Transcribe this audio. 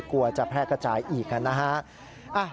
กลัวจะแพร่กระจายอีกนะฮะ